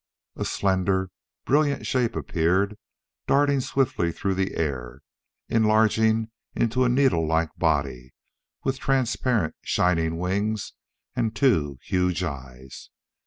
A slender, brilliant shape appeared, darting swiftly through the air, enlarging into a needle like body with transparent, shining wings and two huge eyes.